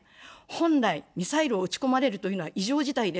本来、ミサイルを撃ち込まれるというのは異常事態です。